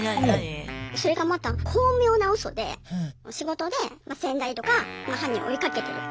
それがまた巧妙なウソで仕事で仙台とか犯人を追いかけてる。